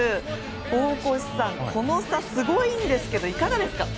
大越さん、この差すごいですけどいかがですか？